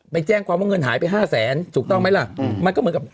ไปแจ้งความว่าเงินหายไป๕๐๐๐๐๐บาทถูกต้องไหมล่ะ